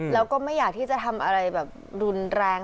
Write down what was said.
แล้วก็ไม่อยากที่จะทำอะไรแบบรุนแรง